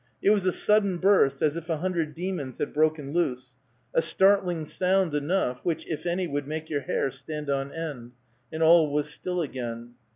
It was a sudden burst, as if a hundred demons had broke loose, a startling sound enough, which, if any, would make your hair stand on end, and all was still again.